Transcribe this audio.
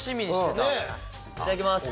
いただきます。